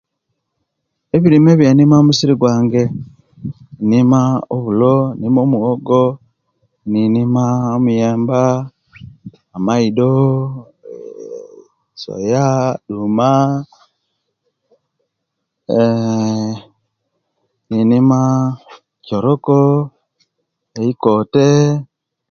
Ebirime ebyemina mumusire gwange inima obulo, inima omuwogo, ninima omuyemba, amaido, soya, duma eeh ninima kyoroko, eikote